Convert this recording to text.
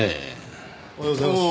おはようございます。